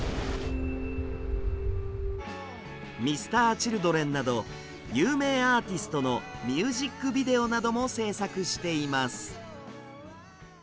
Ｍｒ．Ｃｈｉｌｄｒｅｎなど有名アーティストのミュージックビデオなども制作しています。